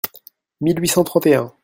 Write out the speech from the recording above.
mille huit cent trente et un.